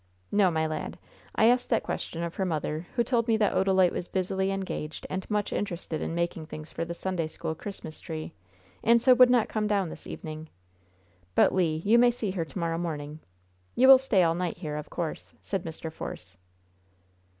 "No, my lad. I asked that question of her mother, who told me that Odalite was busily engaged and much interested in making things for the Sunday school Christmas tree, and so would not come down this evening. But, Le, you may see her to morrow morning. You will stay all night here, of course," said Mr. Force.